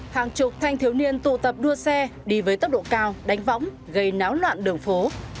hàng chục thanh thiếu niên tụ tập đua xe đi với tốc độ cao đánh võng gây náo loạn đường phố